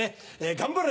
頑張れ！